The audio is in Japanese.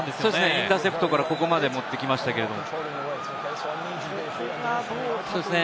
インターセプトからここまで持ってきましたけれども。